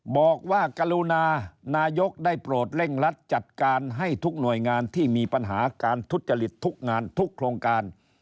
บอกว่ากรุณานายกได้โปรดเร่งรัดจัดการให้ทุกหน่วยงานที่มีปัญหาการทุจริตทุกงานทุกโครงการ